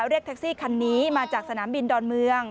เรียกแท็กซี่คันนี้มาจากสนามบินดอนเมือง